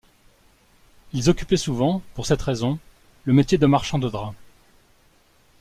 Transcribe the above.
Ils occupaient souvent, pour cette raison, le métier de marchands de draps.